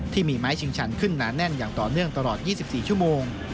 ที่มีไม้ชิงชันขึ้นหนาแน่นอย่างต่อเนื่องตลอด๒๔ชั่วโมง